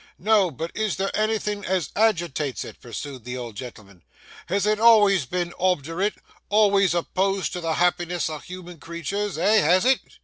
'No, but is there anythin' as agitates it?' pursued the old gentleman. 'Has it always been obderrate, always opposed to the happiness o' human creeturs? Eh? Has it?